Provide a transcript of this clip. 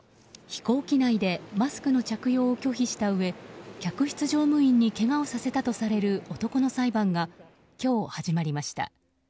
飛行機内でマスクの着用を拒否したうえ客室乗務員にけがをさせたとされる男の裁判が今日始まりました。